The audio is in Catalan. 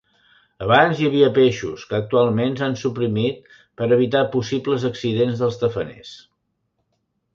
Abans hi havia peixos, que actualment s'han suprimit per evitar possibles accidents dels tafaners.